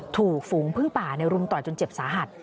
ถูกฝูงพึ่งป่าในรุมต่อยจนเจ็บสาหัส